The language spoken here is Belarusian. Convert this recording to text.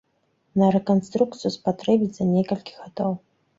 На рэканструкцыю спатрэбіцца некалькі гадоў.